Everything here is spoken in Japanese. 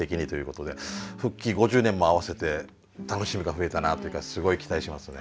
復帰５０年も併せて楽しみが増えたなというかすごい期待しますよね。